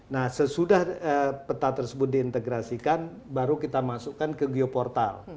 nah sesudah peta tersebut diintegrasikan baru kita masukkan ke geoportal